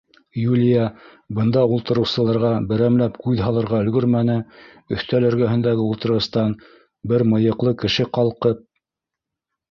Юлия бында ултырыусыларға берәмләп күҙ һалырға өлгөрмәне, өҫтәл эргәһендәге ултырғыстан бер мыйыҡлы кеше ҡалҡып: